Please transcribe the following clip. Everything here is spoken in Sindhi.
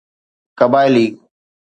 قبائلي